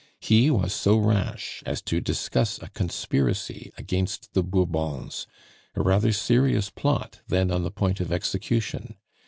He was so rash as to discuss a conspiracy against the Bourbons, a rather serious plot then on the point of execution.